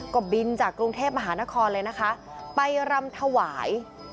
ก็บินจากกรุงเทพมหานครเลยนะคะไปรำถวาย